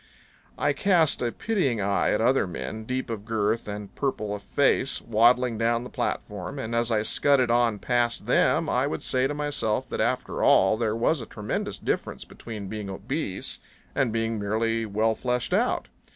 I cast a pitying eye at other men, deep of girth and purple of face, waddling down the platform, and as I scudded on past them I would say to myself that after all there was a tremendous difference between being obese and being merely well fleshed out.